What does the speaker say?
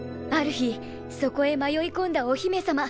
ある日そこへ迷い込んだお姫様